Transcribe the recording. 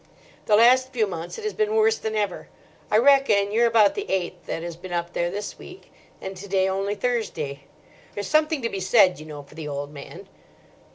The last few months it has been worse than ever. I reckon you're about the eighth that has been up there this week, and to day only Thursday. There's something to be said, you know, for the old man.